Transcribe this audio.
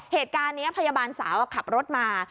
เหตุการณ์นี้พยาบาลสาวขับรถมา